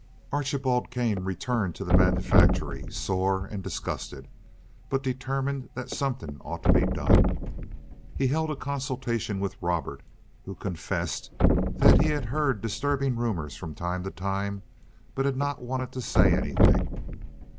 Archibald Kane returned to the manufactory sore and disgusted, but determined that something ought to be done. He held a consultation with Robert, who confessed that he had heard disturbing rumors from time to time, but had not wanted to say anything.